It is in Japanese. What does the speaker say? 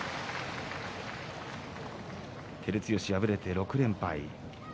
照強、敗れて６連敗。